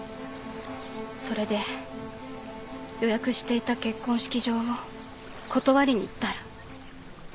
それで予約していた結婚式場を断りに行ったら。